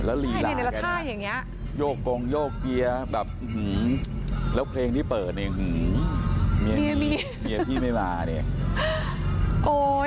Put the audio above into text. แล้วหลีหลากันเนี่ยแล้วท่ายอย่างเงี้ยโยกกรงโยกเบียร์แบบอื้อหือแล้วเพลงที่เปิดเนี่ยอื้อหือเมียพี่เมียพี่ไม่มาเนี่ยโอ้ย